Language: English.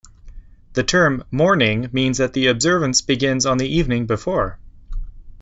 The term "morning" means that the observance begins on the evening before.